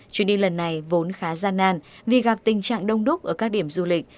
chuyến đi lần này vốn khá gian nan vì gặp tình trạng đông đúc ở các điểm du lịch